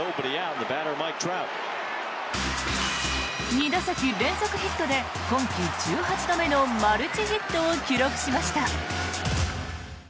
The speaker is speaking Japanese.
２打席連続ヒットで今季１８度目のマルチヒットを記録しました。